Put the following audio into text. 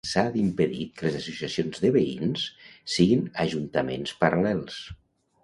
S'ha d'impedir que les associacions de veïns siguin ajuntaments paral·lels.